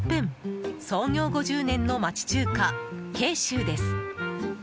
創業５０年の町中華、慶修です。